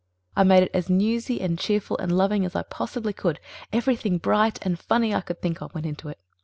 I made it as newsy and cheerful and loving as I possibly could. Everything bright and funny I could think of went into it.